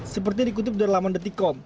seperti dikutip dari laman detikom